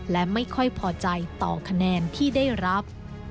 และไม่ค่อยพอใจต่อคะแนนที่ได้รับ